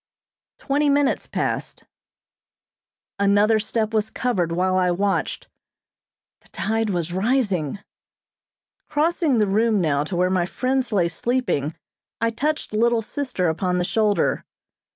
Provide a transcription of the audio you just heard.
Twenty minutes passed. Another step was covered while I watched the tide was rising. Crossing the room now to where my friends lay sleeping, I touched little sister upon the shoulder.